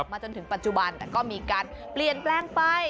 จนถึงปัจจุบันแต่ก็มีการเปลี่ยนแปลงไป